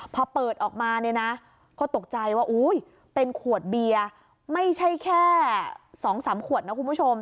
พอเปิดออกมาเนี่ยนะก็ตกใจว่าอุ้ยเป็นขวดเบียร์ไม่ใช่แค่๒๓ขวดนะคุณผู้ชม